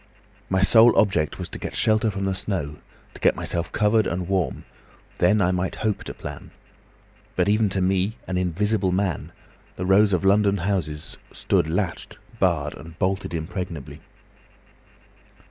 My sole object was to get shelter from the snow, to get myself covered and warm; then I might hope to plan. But even to me, an Invisible Man, the rows of London houses stood latched, barred, and bolted impregnably.